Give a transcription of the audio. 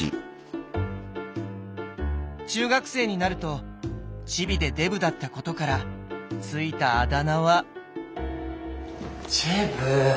中学生になると「チビ」で「デブ」だったことから付いたあだ名は。